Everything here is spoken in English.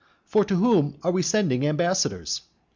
For to whom are we sending ambassadors?